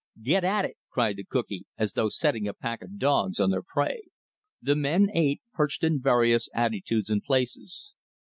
"Get at it!" cried the cookee, as though setting a pack of dogs on their prey. The men ate, perched in various attitudes and places.